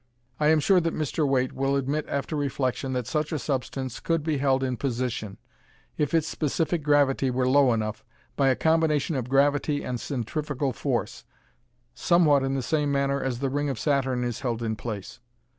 I am sure that Mr. Waite will admit after reflection that such a substance could be held in position, if its specific gravity were low enough, by a combination of gravity and centrifugal force, somewhat in the same manner as the ring of Saturn is held in place.